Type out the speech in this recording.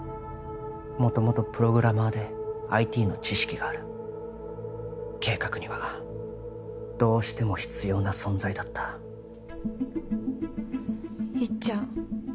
元々プログラマーで ＩＴ の知識がある計画にはどうしても必要な存在だったいっちゃん